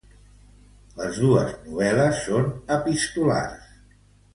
Les dos novel·les són epistolars.